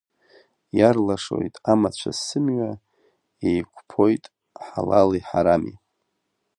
Иарлашоит амацәыс сымҩа, еикәԥоит ҳалали ҳарами.